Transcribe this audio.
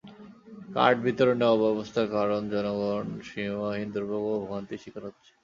Card বিতরণে অব্যবস্থার কারণ জনগণ সীমাহীন দুর্ভোগ ও ভোগান্তির শিকার হচ্ছে।